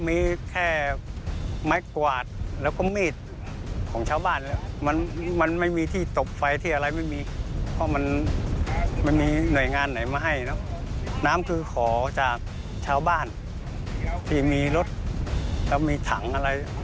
น้ำคือขอจากชาวบ้านที่มีรถและมีถังอะไร